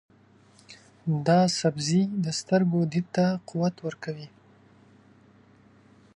دا سبزی د سترګو دید ته قوت ورکوي.